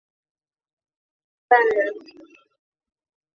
乐仕是前香港商业电台唱片骑师兼演唱会主办人。